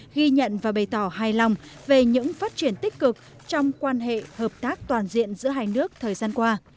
ghi nhận và bày tỏ hài lòng về những phát triển tích cực trong quan hệ hợp tác toàn diện giữa hai nước thời gian qua